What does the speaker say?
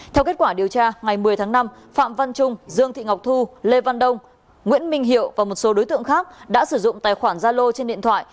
theo kết quả điều tra ngày một mươi tháng năm phạm văn trung dương thị ngọc thu lê văn đông nguyễn minh hiệu và một số đối tượng khác đã sử dụng tài khoản gia lô trên điện thoại